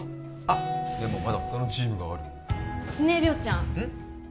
あでもまだ他のチームがあるねえ亮ちゃんうん？